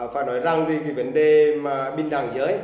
phải nói rằng thì cái vấn đề mà binh đảng giới